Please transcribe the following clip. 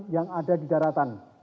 yang ada di daratan